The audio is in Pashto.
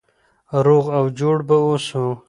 روغ او جوړ به اوسو.